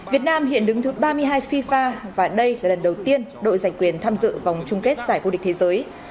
việt nam hiện đứng thứ ba mươi hai fifa và đây là lần đầu tiên đội giành quyền tham dự vòng chung kết giải vô địch thế giới